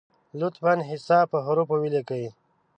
لطفا حساب په حروفو ولیکی!